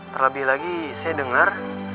terlebih lagi saya dengar